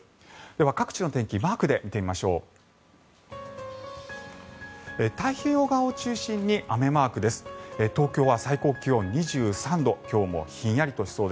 各地の天気をマークで見ていきましょう。